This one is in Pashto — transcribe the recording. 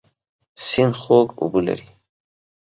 سیند خوږ اوبه لري.